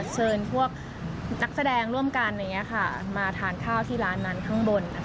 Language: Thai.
เชิญพวกนักแสดงร่วมกันมาทานข้าวที่ร้านนั้นข้างบน